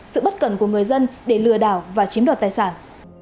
sự bất cần của người dân để lừa đảo và chiếm đoạt tài sản